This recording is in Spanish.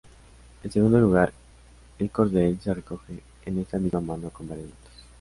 En segundo lugar, el cordel se recoge en esta misma mano con varias vueltas.